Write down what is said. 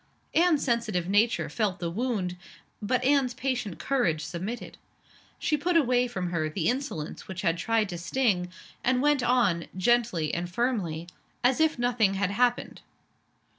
Anne's sensitive nature felt the wound but Anne's patient courage submitted. She put away from her the insolence which had tried to sting, and went on, gently and firmly, as if nothing had happened.